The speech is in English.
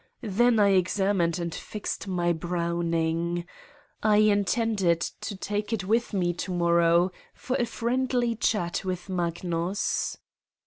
Then I examined and fixed my Browning. I intend to take it with me to morrow for a friendly chat with Magnus.